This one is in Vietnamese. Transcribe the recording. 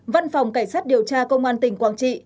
cơ quan cảnh sát điều tra công an tỉnh quảng trị